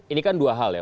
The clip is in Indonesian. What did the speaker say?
ini kan dua hal ya